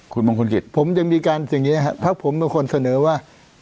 คุณมงคลกิจผมยังมีการอย่างนี้นะครับพักผมเป็นคนเสนอว่า